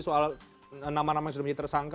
soal nama nama yang sudah menjadi tersangka